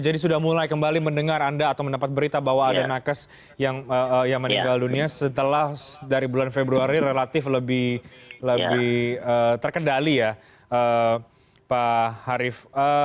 jadi sudah mulai kembali mendengar anda atau mendapat berita bahwa ada nakes yang meninggal dunia setelah dari bulan februari relatif lebih terkendali ya pak harief